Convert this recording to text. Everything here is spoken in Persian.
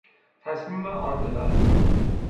تصمیم عادلانه